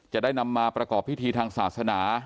จะได้นำมาประกอบพิธีทางศาสนา